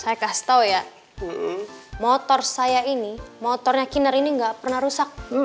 saya kasih tau ya motor saya ini motornya kinner ini nggak pernah rusak